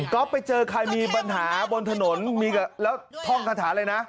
ก็ไปเจอใครมีปัญหาบนถนนมีแล้วท่องคาถาอะไรนะ